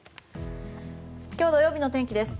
今日土曜日の天気です。